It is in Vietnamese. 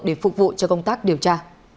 để phục vụ cho công tác điều tra